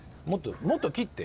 もっと切って。